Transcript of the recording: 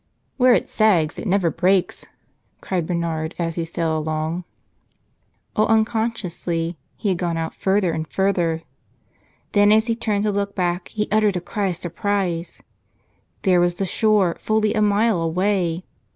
"Where it sags it never breaks," cried Bernard as he sailed along. All unconsciously he had gone out further and further. Then as he turned to look back he uttered a cry of surprise. There was the shore, fully a mile away.